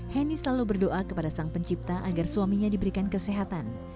heni selalu berdoa kepada sang pencipta agar suaminya diberikan kesehatan